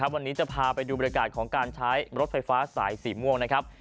วันนี้จะพาไปดูบริการของการใช้รถไฟฟ้าสายสีม่วงนะครับ